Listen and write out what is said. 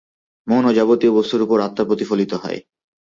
মন ও যাবতীয় বস্তুর উপর আত্মা প্রতিফলিত হয়।